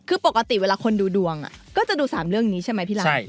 คือปกติเวลาคนดูดวงก็จะดู๓เรื่องนี้ใช่ไหมพี่รัก